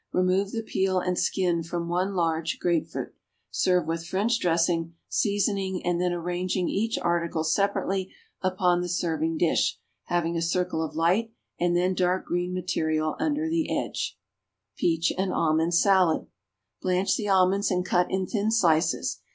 Remove the peel and skin from one large grapefruit. Serve with French dressing, seasoning, and then arranging each article separately upon the serving dish, having a circle of light and then dark green material about the edge. =Peach and Almond Salad.= Blanch the almonds and cut in thin slices.